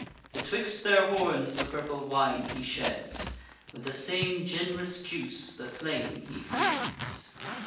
Betwixt their horns the purple wine he sheds; With the same gen'rous juice the flame he feeds.